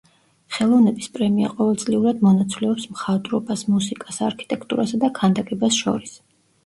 ხელოვნების პრემია ყოველწლიურად მონაცვლეობს მხატვრობას, მუსიკას, არქიტექტურასა და ქანდაკებას შორის.